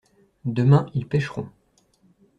Demain ils pêcheront.